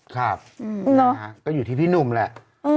ครับก็อยู่ที่พี่หนุ่มแหละ